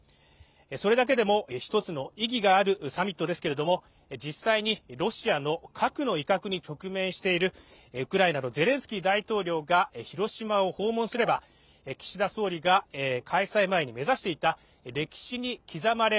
それだけでも１つの意義があるサミットですけれども、実際にロシアの核の威嚇に局面しているウクライナのゼレンスキー大統領が広島を訪問すればマスク外す人が増えましたね。